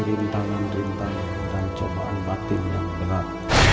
rintangan rintang dan cobaan batin yang berat